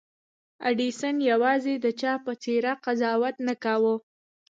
ايډېسن يوازې د چا په څېره قضاوت نه کاوه.